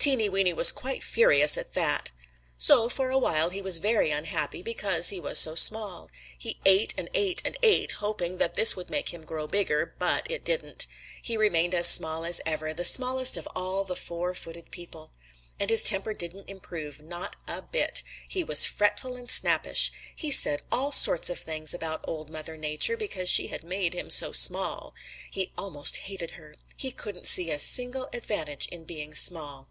Teeny Weeny was quite furious at that. So for a while he was very unhappy because he was so small. He ate and ate and ate, hoping that this would make him grow bigger. But it didn't. He remained as small as ever, the smallest of all the four footed people. And his temper didn't improve. Not a bit. He was fretful and snappish. He said all sorts of things about Old Mother Nature because she had made him so small. He almost hated her. He couldn't see a single advantage in being so small.